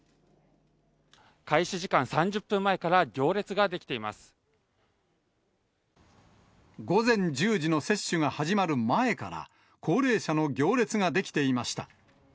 開始時間３０分前から行列が午前１０時の接種が始まる前から、高齢者の行列が出来ていました。